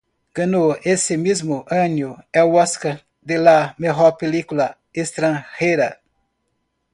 Ganó ese mismo año el Óscar a la Mejor Película Extranjera.